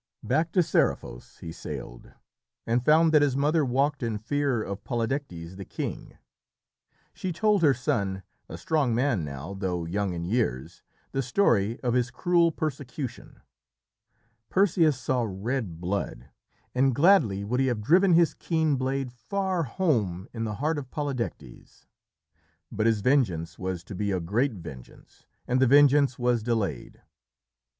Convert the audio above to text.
Back to Seriphos he sailed, and found that his mother walked in fear of Polydectes the king. She told her son a strong man now, though young in years the story of his cruel persecution. Perseus saw red blood, and gladly would he have driven his keen blade far home in the heart of Polydectes. But his vengeance was to be a great vengeance, and the vengeance was delayed.